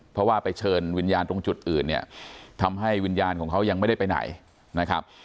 เพราะว่าไปเชิญวิญญาณตรงจุดอื่นเนี่ยทำให้วิญญาณของเขายังไม่ได้ไปไหนนะครับ